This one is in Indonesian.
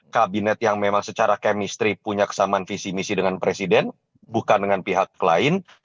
kabinet yang memang secara kemistri punya kesamaan visi misi dengan presiden bukan dengan pihak lain